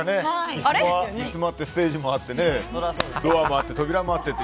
椅子もあって、ステージもあってドアもあって、扉もあって。